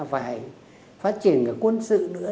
phải phát triển cả quân sự nữa